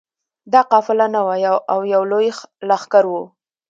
دا قافله نه وه او یو لوی لښکر وو.